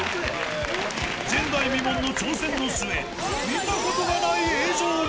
前代未聞の挑戦の末、見たことがない映像に。